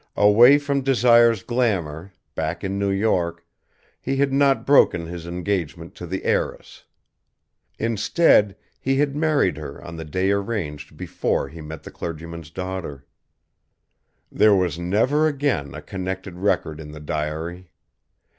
Away from Desire's glamour, back in New York, he had not broken his engagement to the heiress. Instead, he had married her on the day arranged before he met the clergyman's daughter. There was never again a connected record in the diary.